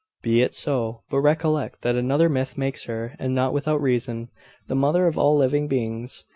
'Be it so; but recollect, that another myth makes her, and not without reason, the mother of all living beings.